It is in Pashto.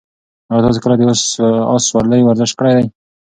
ایا تاسي کله د اس سورلۍ ورزش کړی دی؟